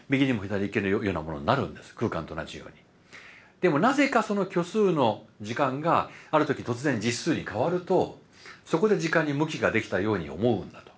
でもなぜかその虚数の時間がある時突然実数に変わるとそこで時間に向きができたように思うんだと。